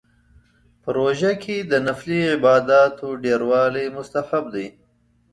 په روژه کې د نفلي عباداتو ډیروالی مستحب دی